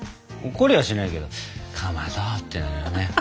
怒りはしないけど「かまど」ってなるよね。